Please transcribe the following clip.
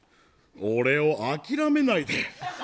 俺を諦めないで！